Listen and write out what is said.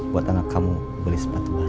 buat anak kamu beli sepatu